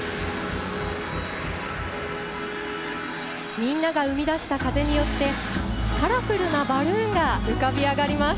みんなで生み出した風によってカラフルなバルーンが浮かび上がります。